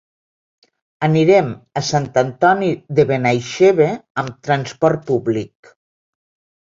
Anirem a Sant Antoni de Benaixeve amb transport públic.